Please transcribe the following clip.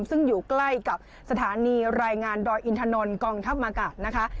ซึ่งอยู่ใกล้กับสถานีรายงานดอยอินถนนกองทัพอากาศนะคะ